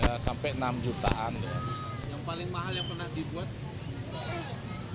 yang paling mahal yang pernah dibuat